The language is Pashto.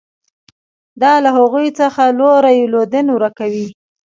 دا له هغوی څخه لوری لودن ورک کوي.